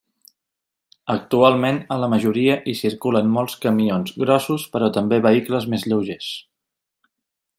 Actualment a la majoria hi circulen molts camions grossos però també vehicles més lleugers.